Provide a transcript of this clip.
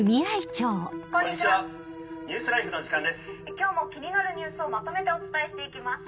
今日も気になるニュースをまとめてお伝えして行きます。